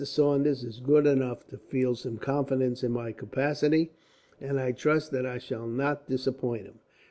Saunders is good enough to feel some confidence in my capacity, and I trust that I shall not disappoint him.